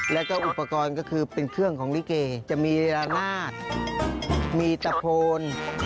แล้วก็อุปกรณ์ก็คือเป็นเครื่องของลิเกจะมีระนาดมีตะโพน